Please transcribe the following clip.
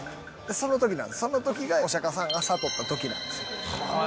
その時なんですその時がお釈迦さんが悟った時なんです。